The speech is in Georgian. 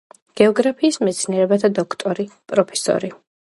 გეოგრაფიის მეცნიერებათა დოქტორი, პროფესორი.